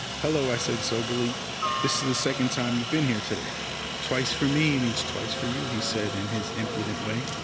"Hello!" I said soberly. "This is the second time you've been here to day." "Twice for me, means twice for you," he said, in his impudent way.